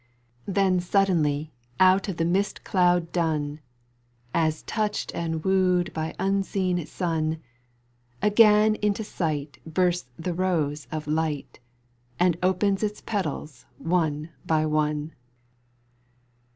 Then suddenly out of the mist cloud dun, As touched and wooed by unseen sun, Again into sight bursts the rose of light And opens its petals one by one.